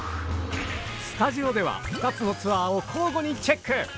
スタジオでは２つのツアーを交互にチェック。